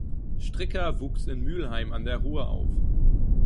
Stricker wuchs in Mülheim an der Ruhr auf.